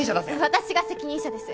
私が責任者です。